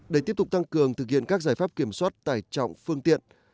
để tiếp tục tăng cường thực hiện các giải pháp kiểm soát tải trọng phương tiện